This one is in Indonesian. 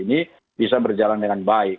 ini bisa berjalan dengan baik